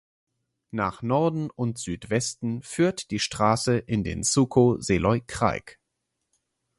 Nach Norden und Südwesten führt die Straße in den Suco Seloi Craic.